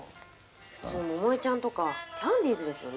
普通百恵ちゃんとかキャンディーズですよね。